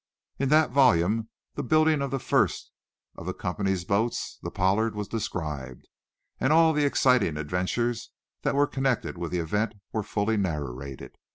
In that volume the building of the first of the company's boats, the "Pollard" was described, and all the exciting adventures that were connected with the event were fully narrated.